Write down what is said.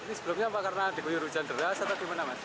ini sebelumnya apa karena diguyur hujan deras atau gimana mas